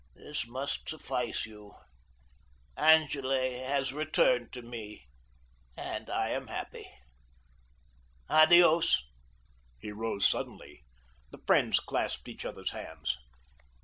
This must suffice you. Angele has returned to me, and I am happy. Adios." He rose suddenly. The friends clasped each other's hands.